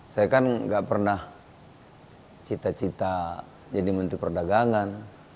saya kan nggak pernah cita cita jadi menteri perdagangan